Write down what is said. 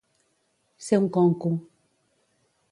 Ser un conco.